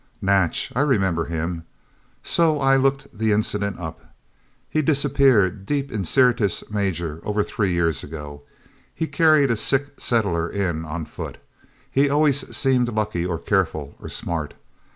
"Natch. I remember him. So I looked the incident up. He disappeared, deep in Syrtis Major, over three years ago. He had carried a sick settler in on foot. He always seemed lucky or careful, or smart.